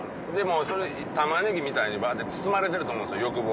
それタマネギみたいにバって包まれてると思うんです欲望。